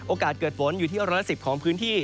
โอกาสเกิดฝนอยู่ที่อัลละ๑๐ของพื้นที่